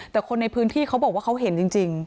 แต่คนในพื้นที่เขาบอกว่าเขาเห็นจริง